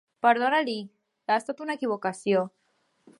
Perdonar-li-ho, ha estat una equivocació.